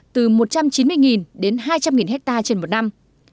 từ một trăm chín mươi đến hai trăm linh ha trên một năm